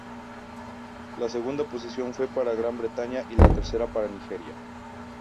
La segunda posición fue para Gran Bretaña y la tercera para Nigeria.